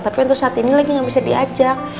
tapi untuk saat ini lagi yang bisa diajak